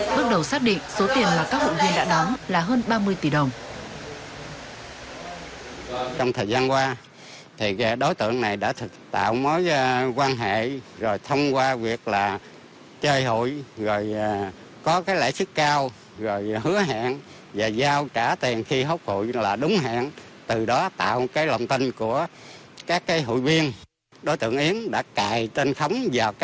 bước đầu xác định số tiền mà các hụi viên đã đóng là hơn ba mươi tỷ đồng